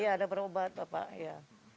iya ada berobat bapak ya